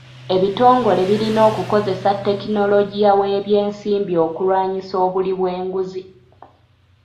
Ebitongole birina okukozesa tekinologiya w'ebyensimbi okulwanisa obuli bw'enguzi.